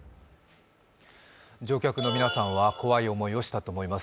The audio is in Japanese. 乗客の皆さんは怖い思いをしたと思います。